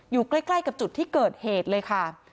อยู่ใกล้กับจุดที่เกิดเหตุเลยค่ะ